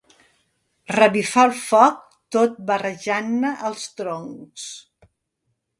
Revifar el foc tot barrejant-ne els troncs.